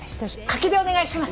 「柿」でお願いします。